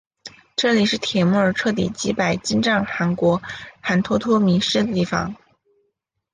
这里是帖木儿彻底击败金帐汗国汗脱脱迷失的地方。